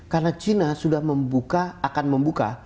karena china sudah membuka